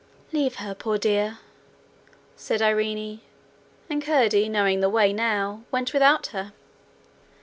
'Leave her, poor dear,' said Irene, and Curdie, knowing the way now, went without her.